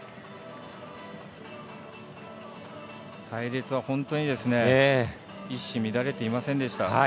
隊列は本当に一糸乱れていませんでした。